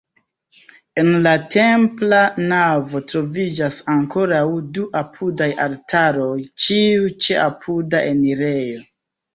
En la templa navo troviĝas ankoraŭ du apudaj altaroj, ĉiu ĉe apuda enirejo.